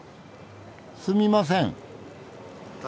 すみません。